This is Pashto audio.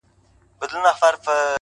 د مقدسې مينې پای دی سړی څه ووايي;